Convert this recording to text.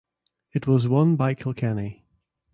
It was won by Kilkenny.